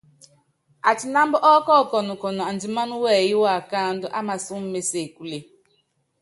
Atinámb ɔ́kɔkɔnɔ kɔn andimán wɛyɛ́ waakándɔ́ á masɔ́m mé sebúle.